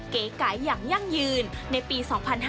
เก๋ไก่อย่างยั่งยืนในปี๒๕๕๙